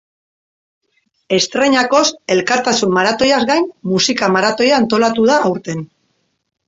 Estreinakoz, elkartasun maratoiaz gain, musika maratoia antolatu da aurten.